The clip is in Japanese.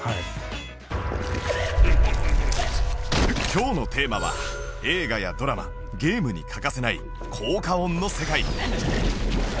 今日のテーマは映画やドラマゲームに欠かせない効果音の世界